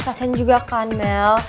kasian juga kan mel